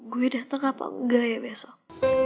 gue dateng apa engga ya besok